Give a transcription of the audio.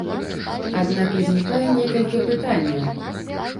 Аднак узнікае некалькі пытанняў.